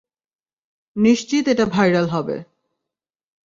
নিশ্চিত এটা ভাইরাল হবে।